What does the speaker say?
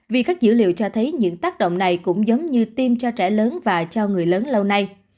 vì các dữ liệu cho thấy những tác động này cũng giống như tiêm cho trẻ lớn và cho người lớn lâu nay